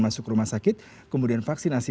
masuk rumah sakit kemudian vaksinasi